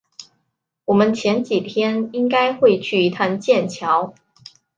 我们前几天应该会去一趟剑桥